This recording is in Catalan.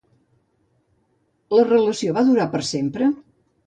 La relació va durar per sempre?